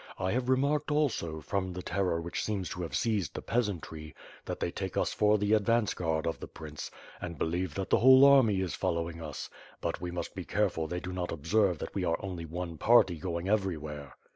I have remarked also, from the terror which seems to have seized the peasantry, that they take us for the advance guard of the prince and believe that the whole army is following us, but we must be careful they do not observe that we are only one party going every where."